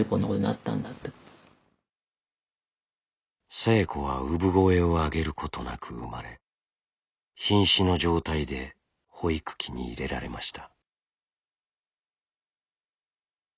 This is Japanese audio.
星子は産声を上げることなく産まれひん死の状態で保育器に入れられました。